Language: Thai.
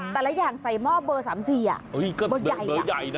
แต่ละอย่างใส่หม้อเบอร์๓๔อ่ะเบอร์ใหญ่นั่นอ่ะ